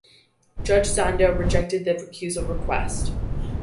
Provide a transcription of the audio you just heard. Judge Zondo rejected the recusal request.